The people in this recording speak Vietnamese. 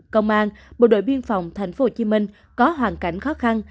công an bộ đội biên phòng thành phố hồ chí minh có hoàn cảnh khó khăn